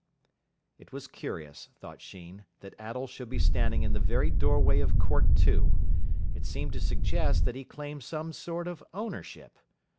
It was curious, thought Sheen, that Attell should be standing in the very doorway of court two. It seemed to suggest that he claimed some sort of ownership.